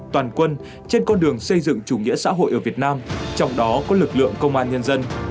toàn quân trên con đường xây dựng chủ nghĩa xã hội ở việt nam trong đó có lực lượng công an nhân dân